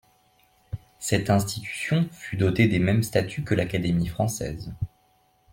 Cette institution fut dotée des mêmes statuts que l’Académie française.